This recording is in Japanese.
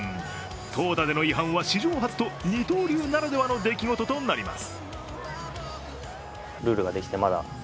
投打での違反は史上初と二刀流ならではの出来事となります。